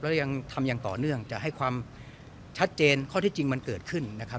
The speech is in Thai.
แล้วยังทำอย่างต่อเนื่องจะให้ความชัดเจนข้อที่จริงมันเกิดขึ้นนะครับ